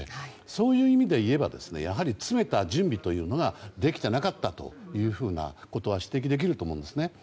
そういう意味で言えばやはり詰めた準備というのができてなかったというふうなことは指摘できると思うんですね。